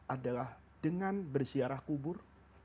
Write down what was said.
adalah dengan bersiarah kubur